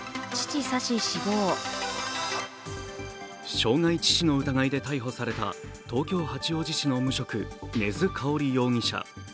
傷害致死の疑いで逮捕された東京・八王子市の無職、根津かおり容疑者。